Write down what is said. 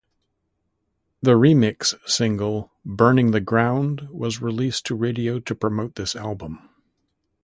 The remix single "Burning the Ground" was released to radio to promote this album.